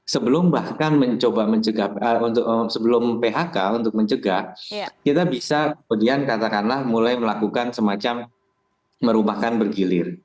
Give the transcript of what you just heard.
sebelum bahkan mencoba mencegah untuk sebelum phk untuk mencegah kita bisa kemudian katakanlah mulai melakukan semacam merubahkan bergilir